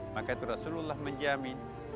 maka itu rasulullah menjamin